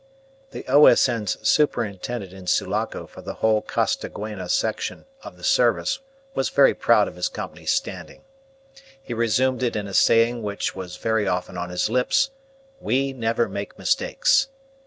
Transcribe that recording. The O.S.N.'s superintendent in Sulaco for the whole Costaguana section of the service was very proud of his Company's standing. He resumed it in a saying which was very often on his lips, "We never make mistakes."